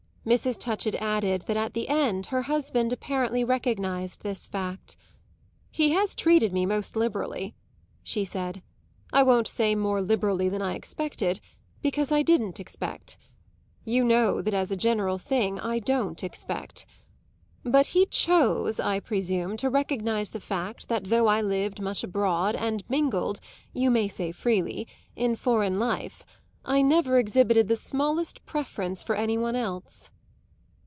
Mrs. Touchett added that at the end her husband apparently recognised this fact. "He has treated me most liberally," she said; "I won't say more liberally than I expected, because I didn't expect. You know that as a general thing I don't expect. But he chose, I presume, to recognise the fact that though I lived much abroad and mingled you may say freely in foreign life, I never exhibited the smallest preference for any one else."